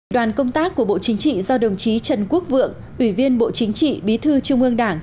đoàn công tác của bộ chính trị do đồng chí trần quốc vượng ủy viên bộ chính trị bí thư trung ương đảng